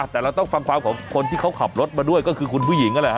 แต่เราต้องฟังความของคนที่เขาขับรถมาด้วยก็คือคุณผู้หญิงนั่นแหละ